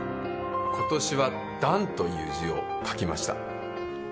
ことしは弾という字を書きました。